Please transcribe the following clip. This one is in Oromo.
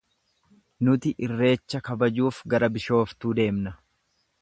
Nuti Irreecha kabajuuf gara Bishooftuu deemna.